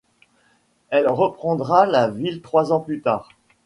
Elle reprendra la ville trois ans plus tard.